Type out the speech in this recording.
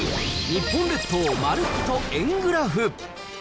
日本列島まるっと円グラフ。